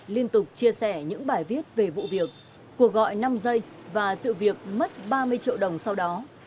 liên tục chia sẻ những bài viết về vụ việc cuộc gọi năm giây và sự việc mất ba mươi triệu đồng sau đó